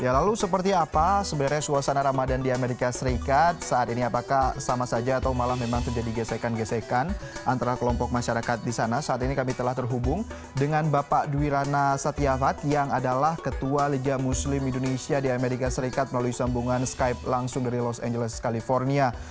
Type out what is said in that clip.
lalu seperti apa sebenarnya suasana ramadan di amerika serikat saat ini apakah sama saja atau malah memang terjadi gesekan gesekan antara kelompok masyarakat di sana saat ini kami telah terhubung dengan bapak duwirana satyavat yang adalah ketua liga muslim indonesia di amerika serikat melalui sambungan skype langsung dari los angeles california